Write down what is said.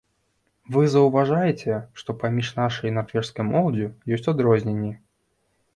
Вы заўважаеце, што паміж нашай і нарвежскай моладдзю ёсць адрозненні.